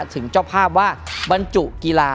ถึงเจ้าภาพว่าบรรจุกีฬา